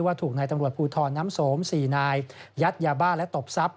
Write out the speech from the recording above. ถูกนายตำรวจภูทรน้ำสม๔นายยัดยาบ้าและตบทรัพย